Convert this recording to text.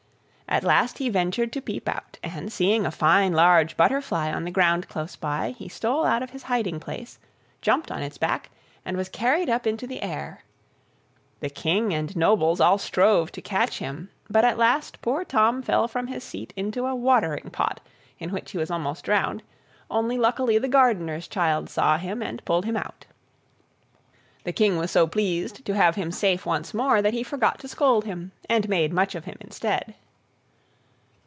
At last he ventured to peep out, and, seeing a fine large butterfly on the ground close by, he stole out of his hiding place, jumped on its back, and was carried up into the air. The King and nobles all strove to catch him, but at last poor Tom fell from his seat into a watering pot, in which he was almost drowned, only luckily the gardener's child saw him, and pulled him out. The King was so pleased to have him safe once more that he forgot to scold him, and made much of him instead.